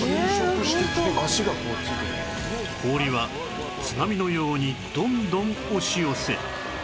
氷は津波のようにどんどん押し寄せ